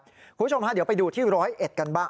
คุณผู้ชมครับเดี๋ยวไปดูที่๑๐๑กันบ้าง